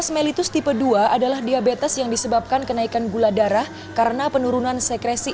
sebelas melitus tipe dua adalah diabetes yang disebabkan kenaikan gula darah karena penurunan sekresi